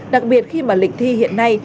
đặc biệt khi mà lịch thi hiện nay